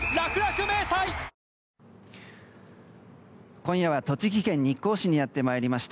今夜は栃木県日光市にやってまいりました。